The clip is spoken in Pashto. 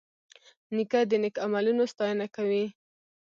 نیکه د نیک عملونو ستاینه کوي.